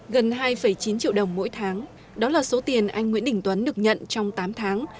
gần hai chín triệu đồng mỗi tháng đó là số tiền anh nguyễn đình tuấn được nhận trong tám tháng